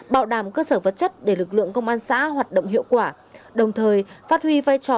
bảo đảm cơ sở vật chất để lực lượng công an xã hoạt động hiệu quả đồng thời phát huy vai trò